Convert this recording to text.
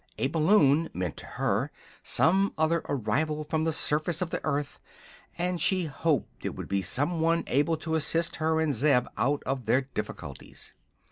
A balloon meant to her some other arrival from the surface of the earth, and she hoped it would be some one able to assist her and Zeb out of their difficulties.